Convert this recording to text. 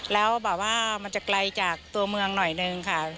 แล้วแบบว่ามันจะไกลจากตัวเมืองหน่อยนึงค่ะ